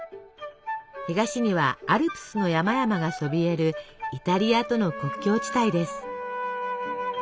東にはアルプスの山々がそびえるイタリアとの国境地帯です。